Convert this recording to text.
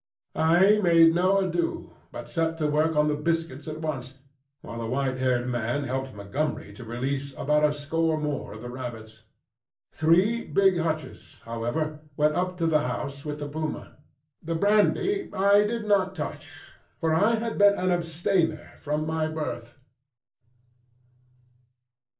I made no ado, but set to work on the biscuits at once, while the white haired man helped Montgomery to release about a score more of the rabbits. Three big hutches, however, went up to the house with the puma. The brandy I did not touch, for I have been an abstainer from my birth.